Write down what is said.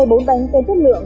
bốn đánh tên thiết lượng